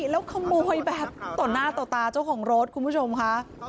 แล้วขโมยแบบต่อหน้าต่อตาเจ้าของรถคุณผู้ชมค่ะ